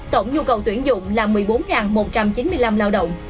tổng nhu cầu tuyển dụng là một mươi bốn một trăm chín mươi năm lao động